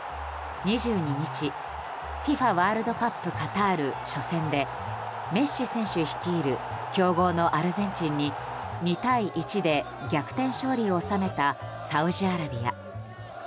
２２日、ＦＩＦＡワールドカップカタール初戦でメッシ選手率いる強豪のアルゼンチンに２対１で逆転勝利を収めたサウジアラビア。